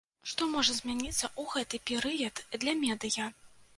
Што можа змяніцца ў гэты перыяд для медыя?